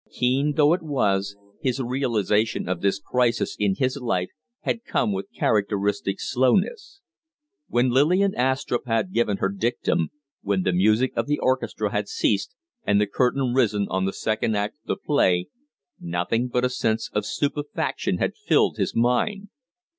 Keen though it was, his realization of this crisis in his life had come with characteristic slowness. When Lillian Astrupp had given her dictum, when the music of the orchestra had ceased and the curtain risen on the second act of the play, nothing but a sense of stupefaction had filled his mind.